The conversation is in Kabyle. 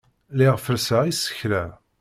Lliɣ ferrseɣ isekla.